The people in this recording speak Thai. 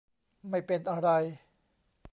ไม่เป็นอะไร